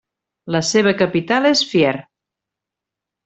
La seva capital és Fier.